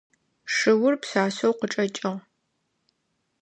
Шыур пшъашъэу къычӏэкӏыгъ.